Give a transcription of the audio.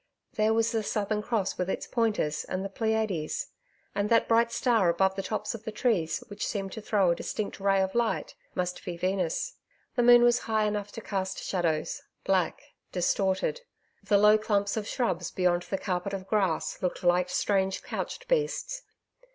There was the Southern Cross with its pointers, and the Pleiades. And that bright star above the tops of the trees, which seemed to throw a distinct ray of light, must be Venus.... The moon was high enough to cast shadows black distorted. The low clumps of shrubs beyond the carpet of grass looked like strange couched beasts....